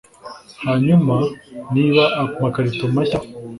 hanyuma, niba amakarito mashya